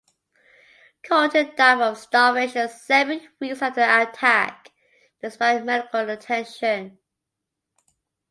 Carlton died from starvation seven weeks after the attack, despite medical attention.